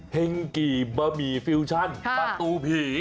เฮงกี่บะหมี่ฟิวชั่นประตูผี